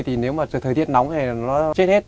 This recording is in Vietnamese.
thì nếu mà thời tiết nóng thì nó chết hết